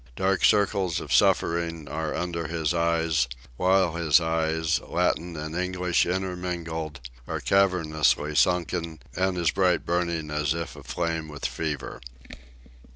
Dark circles of suffering are under his eyes, while his eyes, Latin and English intermingled, are cavernously sunken and as bright burning as if aflame with fever.